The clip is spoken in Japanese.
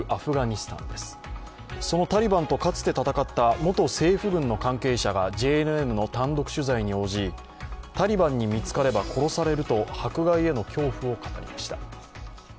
そのタリバンとかつて戦った元政府軍の関係者がＪＮＮの単独取材に応じタリバンに見つかれば殺されると迫害への恐怖を語りました。